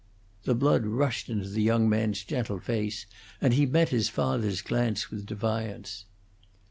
The blood rushed into the young man's gentle face, and he met his father's glance with defiance.